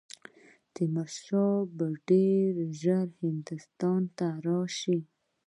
تیمور شاه به ډېر ژر هندوستان ته راشي.